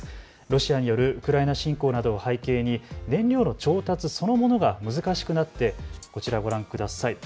ロシアによるウクライナ侵攻などを背景に燃料の調達そのものが難しくなって、こちらご覧ください。